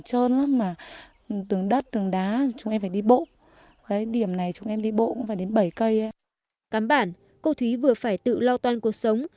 cám bản cô thúy vừa phải tự lo toan cuộc sống